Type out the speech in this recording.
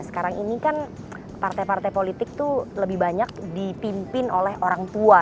sekarang ini kan partai partai politik itu lebih banyak dipimpin oleh orang tua